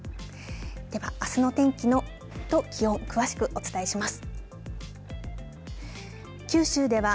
では、あすの天気と気温詳しくお伝えします。